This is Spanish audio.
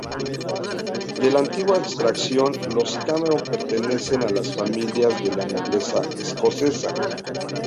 De la antigua extracción, los Cameron pertenece a las familias de la nobleza escocesa.